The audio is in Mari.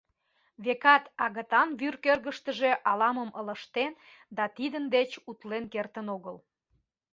Векат, агытан вӱр кӧргыштыжӧ ала-мом ылыжтен да тидын деч утлен кертын огыл.